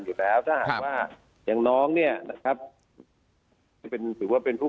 อยู่แล้วถ้าหากว่าอย่างน้องเนี่ยนะครับที่เป็นถือว่าเป็นผู้